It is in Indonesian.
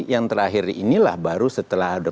yang terakhir inilah baru setelah ada